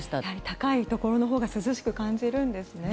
高いところのほうが涼しく感じるんですね。